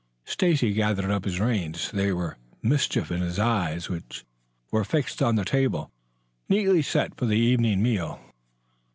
Stacy gathered up his reins. There was mischief in his eyes, which were fixed on the table, neatly set for the evening meal.